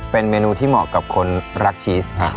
เป็นเมนูที่เหมาะกับคนรักชีส